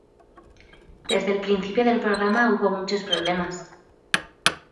Desde el principio del programa hubo muchos problemas.